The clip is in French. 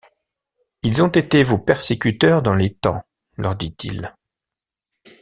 Ils ont été vos persécuteurs dans les temps, leur dit-il.